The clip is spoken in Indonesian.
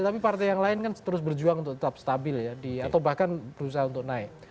tapi partai yang lain kan terus berjuang untuk tetap stabil ya atau bahkan berusaha untuk naik